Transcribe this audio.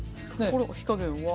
これは火加減は？